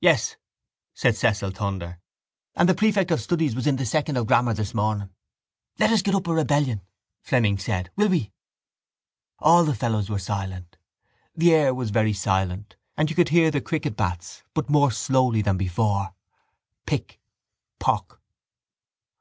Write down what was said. —Yes, said Cecil Thunder, and the prefect of studies was in second of grammar this morning. —Let us get up a rebellion, Fleming said. Will we? All the fellows were silent. The air was very silent and you could hear the cricket bats but more slowly than before: pick, pock.